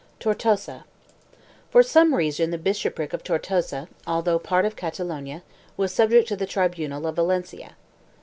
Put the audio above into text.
1 TORTOSA. For some reason the bishopric of Tortosa, although part of Catalonia, was subject to the tribunal of Valencia.